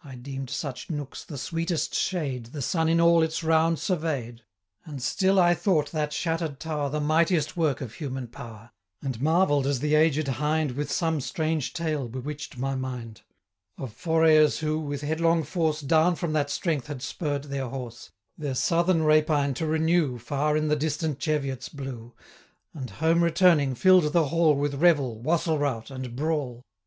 175 I deem'd such nooks the sweetest shade The sun in all its round survey'd; And still I thought that shatter'd tower The mightiest work of human power; And marvell'd as the aged hind 180 With some strange tale bewitch'd my mind, Of forayers, who, with headlong force, Down from that strength had spurr'd their horse, Their southern rapine to renew, Far in the distant Cheviots blue, 185 And, home returning, fill'd the hall With revel, wassel rout, and brawl.